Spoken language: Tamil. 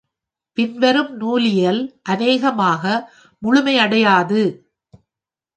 பின்வரும் நூலியல் அநேகமாக முழுமையடையாது.